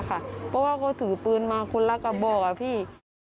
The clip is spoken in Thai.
เพราะว่าเขาถือปืนมาคนละกระบอกอะพี่